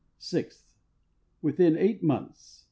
Sixth. Within eight months